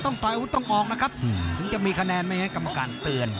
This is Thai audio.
ต้องต่อยอุ้นต้องออกนะครับถึงจะมีคะแนนไหมนะกรรมการเตือน